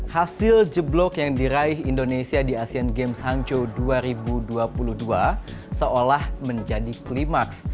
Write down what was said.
hasil jeblok yang diraih indonesia di asean games hangzhou dua ribu dua puluh dua seolah menjadi klimaks